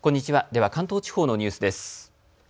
では関東地方のニュースです。